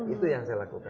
itu yang saya lakukan